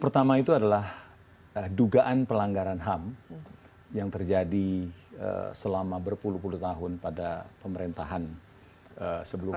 pertama itu adalah dugaan pelanggaran ham yang terjadi selama berpuluh puluh tahun pada pemerintahan sebelumnya